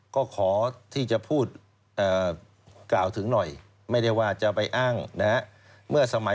ก็ขอที่จะพูดกล่าวถึงหน่อย